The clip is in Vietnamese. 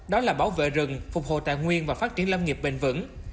đó là bảo vệ rừng phục hồ tài nguyên và phát triển lâm nghiệp bền vững